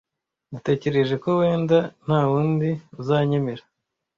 Natekereje ko wenda ntawundi uzanyemera.